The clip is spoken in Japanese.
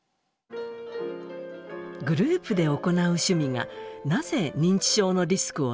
グループで行う趣味がなぜ認知症のリスクを下げるのか。